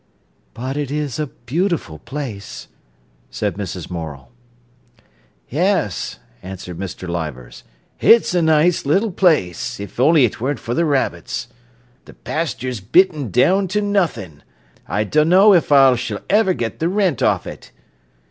"But it is a beautiful place," said Mrs. Morel. "Yes," answered Mr. Leivers; "it's a nice little place, if only it weren't for the rabbits. The pasture's bitten down to nothing. I dunno if ever I s'll get the rent off it."